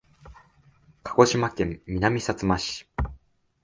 鹿児島県南さつま市